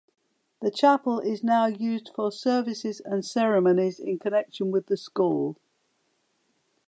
The chapel is now used for services and ceremonies in connection with the school.